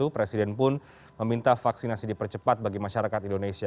presiden pun meminta vaksinasi dipercepat bagi masyarakat indonesia